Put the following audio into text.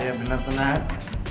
iya benar tuh nak